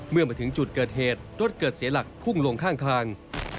เมื่อมาถึงจุดเกิดเหตุรถเกิดเสียหลักพุ่งลงข้างทาง